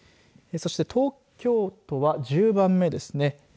そして東京都は１０番目ですね。